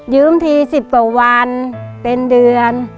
ที๑๐กว่าวันเป็นเดือน